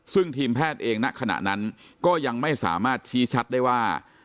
ซึ่งทีมแพทย์เองณขณะนั้นก็ยังไม่สามารถชี้ชัดได้ว่า